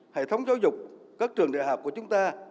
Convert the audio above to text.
hệ thống giáo dục các trường đại học của chúng ta